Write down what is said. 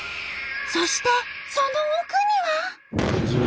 そしてその奥には。